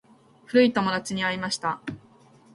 古い友達に会いました。